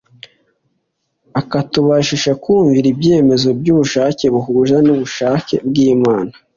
akatubashisha kumvira ibyemezo by'ubushake buhuje n'ubushake bw'Imana.